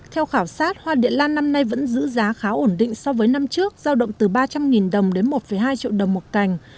theo khảo sát hoa địa lan năm nay vẫn giữ giá khá ổn định so với năm trước giao động từ ba trăm linh đồng đến một hai triệu đồng một cành